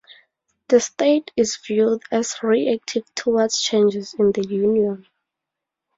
The state is viewed as re-active towards changes in the union.